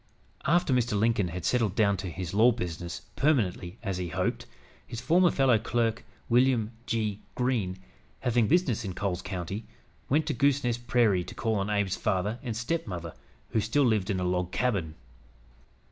After Mr. Lincoln had settled down to his law business, permanently, as he hoped, his former fellow clerk, William G. Greene, having business in Coles County, went to "Goosenest Prairie" to call on Abe's father and stepmother, who still lived in a log cabin.